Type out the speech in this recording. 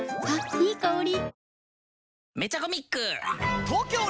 いい香り。